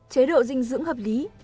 chế độ dinh dưỡng hợp lý